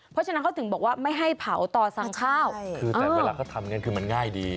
เพราะฉะนั้นเขาถึงบอกว่าไม่ให้เผาต่อสั่งข้าวคือแต่เวลาเขาทำอย่างนั้นคือมันง่ายดี